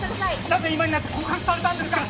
なぜ今になって告白されたんですか？